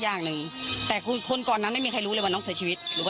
น้องจ้อยนั่งก้มหน้าไม่มีใครรู้ข่าวว่าน้องจ้อยเสียชีวิตไปแล้ว